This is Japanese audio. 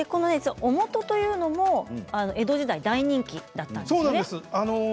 オモトというのも、江戸時代大人気だったんですよね。